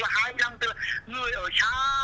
tức là hai mươi năm tương tự là người ở xa